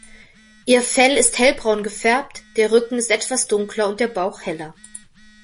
Ihr Fell ist hellbraun gefärbt, der Rücken ist etwas dunkler und der Bauch heller.